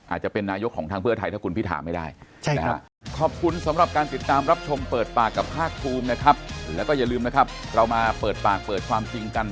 อาจจะเป็นนายกของทางเพื่อไทยถ้าคุณพิธาไม่ได้